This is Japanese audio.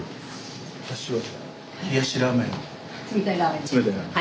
私は冷たいラーメンで。